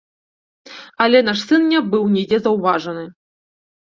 Але наш сын не быў нідзе заўважаны.